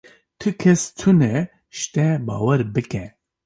Ti kes tune ji te bawer bike.